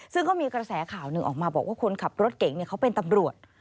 ซึ่งก็มีกระแสข่าวหนึ่งออกมาบอกว่าคนขับรถเก่งเขาเป็นตำรวจ